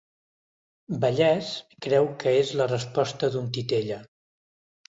Vallès creu que és la resposta d'un titella.